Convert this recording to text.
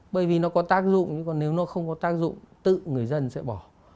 bởi vì nó có tác dụng nhưng còn nếu nó không có tác dụng tự người dân sẽ bỏ